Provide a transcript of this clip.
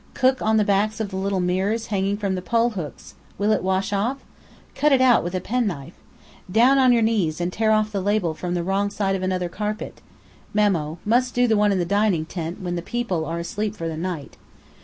Cook on the backs of the little mirrors hanging from the pole hooks!... Will it wash off?... No! Cut it out with a penknife! Down on your knees and tear off the label from the wrong side of another carpet! (Memo: Must do the one in the dining tent when the people are asleep for the night.)